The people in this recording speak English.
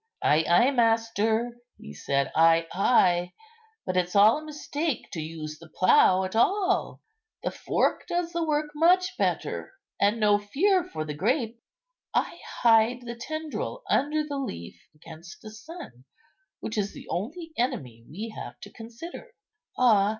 "Ay, ay, master," he said, "ay, ay; but it's all a mistake to use the plough at all. The fork does the work much better, and no fear for the grape. I hide the tendril under the leaf against the sun, which is the only enemy we have to consider." "Ah!